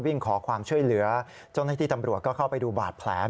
วิ่งขอความช่วยเหลือเจ้าหน้าที่ตำรวจก็เข้าไปดูบาดแผล